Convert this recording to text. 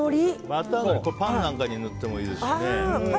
バター海苔パンなんかに塗ってもいいですし。